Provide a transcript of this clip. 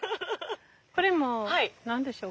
これも何でしょう？